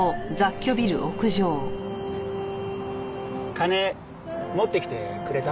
金持ってきてくれた？